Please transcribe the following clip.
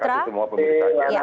terima kasih banyak